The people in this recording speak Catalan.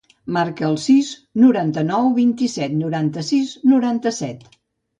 Marca el sis, noranta-nou, vint-i-set, noranta-sis, noranta-set.